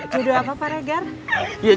jodoh apa pak regat